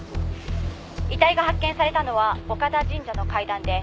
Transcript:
「遺体が発見されたのは岡田神社の階段で」